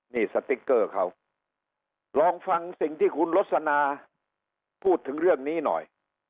นี่สติ๊กเกอร์เขาลองฟังสิ่งที่คุณลสนาพูดถึงเรื่องนี้หน่อย